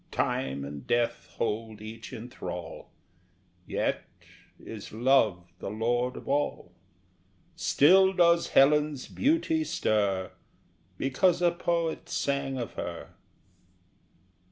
Time and Death hold each in thrall, Yet is Love the lord of all; Still does Helen's beauty stir Because a poet sang of her!